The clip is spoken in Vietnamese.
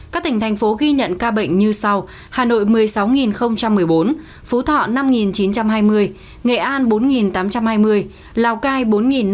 các tỉnh thành phố ghi nhận ca bệnh như sau hà nội một mươi sáu một mươi bốn phú thọ năm chín trăm hai mươi nghệ an bốn tám trăm hai mươi lào cai bốn năm trăm linh